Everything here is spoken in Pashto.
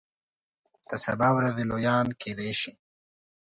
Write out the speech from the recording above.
د سبا ورځې لویان کیدای شي.